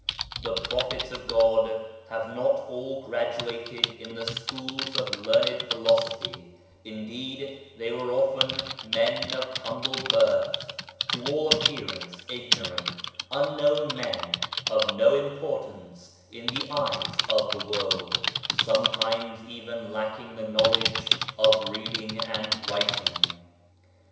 The Prophets of God have not all graduated in the schools of learned Philosophy ; indeed they were often men of humble birth, to all appearance ignorant, POWER OF THE HOLY SPIRIT 153 unknown men of no importance in the eyes of the world ; sometimes even lacking the knowledge of reading and writing.